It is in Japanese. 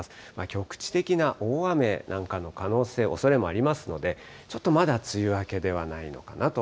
局地的な大雨なんかの可能性、おそれもありますので、ちょっとまだ梅雨明けではないのかなと。